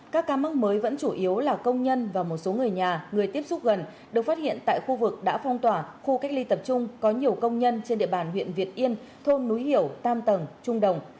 các ca mắc mới vẫn chủ yếu là công nhân và một số người nhà người tiếp xúc gần được phát hiện tại khu vực đã phong tỏa khu cách ly tập trung có nhiều công nhân trên địa bàn huyện việt yên thôn núi hiểu tam tầng trung đồng